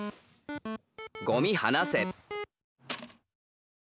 「ゴミはなせ」。